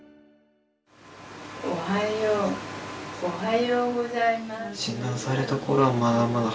おはようおはようございます。